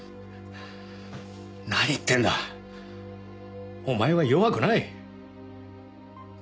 何言ってんだお前は弱くない。